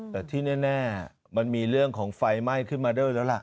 แต่ที่แน่มันมีเรื่องของไฟไหม้ขึ้นมาด้วยแล้วล่ะ